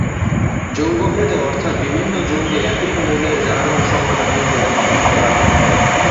যৌগ ভেদে অর্থাৎ বিভিন্ন যৌগে একই মৌলের জারণ সংখ্যা ভিন্ন ভিন্ন হতে পারে।